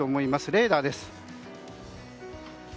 レーダーです。